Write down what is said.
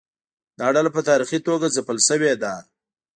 دا ډله په تاریخي توګه ځپل شوې ده.